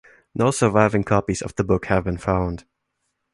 No surviving copies of the book have been found.